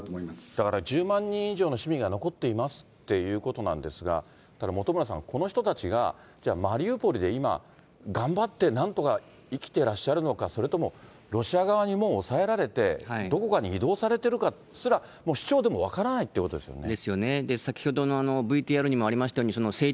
だから１０万人以上の市民が残っていますっていうことなんですが、ただ、本村さん、この人たちがじゃあマリウポリで今、頑張って、なんとか生きてらっしゃるのか、それともロシア側にもう押さえられて、どこかに移動されてるかすら、もう市長でも分からないってことですよね。